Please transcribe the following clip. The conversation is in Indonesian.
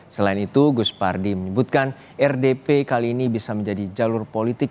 selain itu gus pardi menyebutkan rdp kali ini bisa menjadi jalur politik